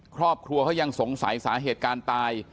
ครอบครัวเขายังสงสัยสาเหตุการตาย